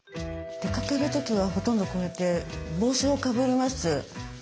出かける時はほとんどこうやって帽子をかぶります。